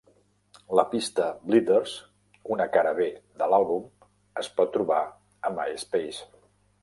La pista "Bleeders", una cara B de l'àlbum, es pot trobar a MySpace.